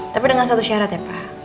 tapi dengan satu syarat ya pak